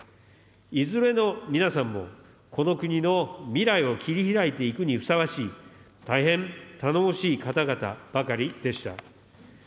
いずれの皆さんも、この国の未来を切り拓いていくにふさわしい、大変頼もしい方々ばかりでした。